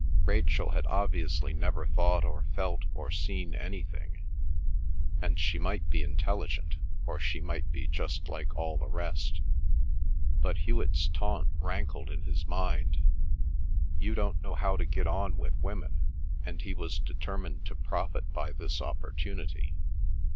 Rachel had obviously never thought or felt or seen anything, and she might be intelligent or she might be just like all the rest. But Hewet's taunt rankled in his mind—"you don't know how to get on with women," and he was determined to profit by this opportunity.